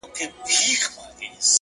سترې موخې ستر صبر غواړي,